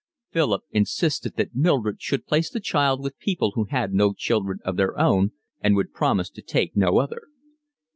Philip insisted that Mildred should place the child with people who had no children of their own and would promise to take no other.